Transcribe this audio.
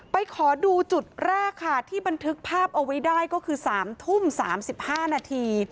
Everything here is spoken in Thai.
ขอดูจุดแรกค่ะที่บันทึกภาพเอาไว้ได้ก็คือ๓ทุ่ม๓๕นาที